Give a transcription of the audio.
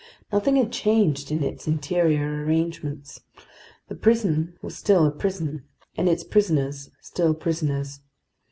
Nothing had changed in its interior arrangements. The prison was still a prison and its prisoners still prisoners.